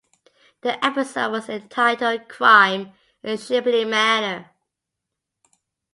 The episode was entitled Crime at Shapely Manor.